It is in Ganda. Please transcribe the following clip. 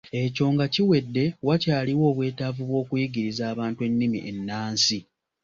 Ekyo nga kiwedde, wakyaliwo obwetaavu bw'okuyigiriza abantu ennimi ennansi.